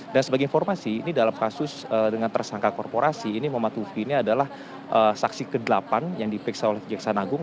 dan sebagai informasi ini dalam kasus dengan tersangka korporasi ini muhammad lufi ini adalah saksi ke delapan yang diperiksa oleh jaksa nagung